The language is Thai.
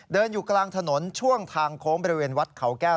อยู่กลางถนนช่วงทางโค้งบริเวณวัดเขาแก้ว